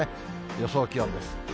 予想気温です。